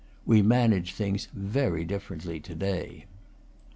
We manage things very differently to day.